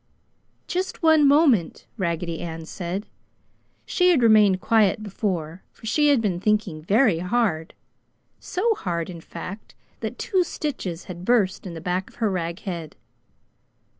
"Just one moment!" Raggedy Ann said. She had remained quiet before, for she had been thinking very hard, so hard, in fact, that two stitches had burst in the back of her rag head.